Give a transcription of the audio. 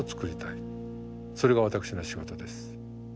それが私の仕事です。